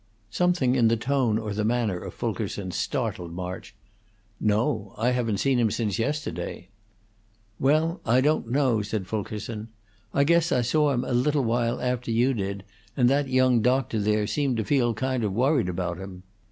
Something in the tone or the manner of Fulkerson startled March. "No! I haven't seen him since yesterday." "Well, I don't know," said Fulkerson. "I guess I saw him a little while after you did, and that young doctor there seemed to feel kind of worried about him.